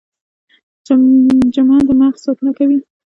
جمجمه د مغز ساتنه کوي